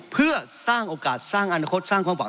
เพื่อสร้างโอกาสสร้างอนาคตสร้างความหวัง